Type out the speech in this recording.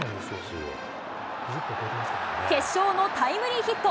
決勝のタイムリーヒット。